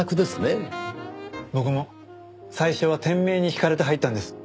僕も最初は店名に惹かれて入ったんです。